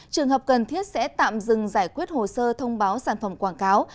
trường hợp cần thiết sẽ tạm dừng giải quyết hồ sơ thông báo sản phẩm quảng cáo